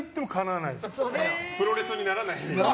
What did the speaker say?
プロレスにならないと。